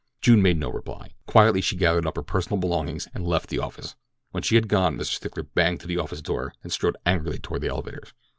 June made no reply. Quietly she gathered up her personal belongings and left the office. When she had gone, Mr. Stickler banged to the office door and strode angrily toward the elevators.